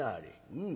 うん。